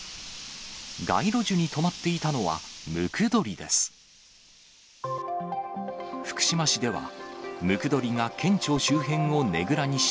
街路樹に止まっていたのは、ムクドリです。